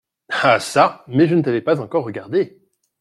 Ah çà ! mais je ne t’avais pas encore regardé…